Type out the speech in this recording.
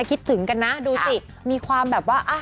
คิดถึงกันนะดูสิมีความแบบว่า